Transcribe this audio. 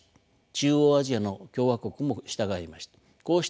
中央アジアの共和国も従いました。